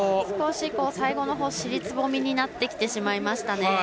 少し最後のほう少し尻すぼみになってきてしまいましたね。